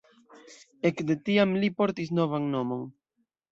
Ekde tiam li portis novan nomon.